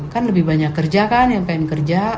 kan lebih banyak kerja kan yang pengen kerja